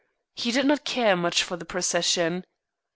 He did not care much for the procession.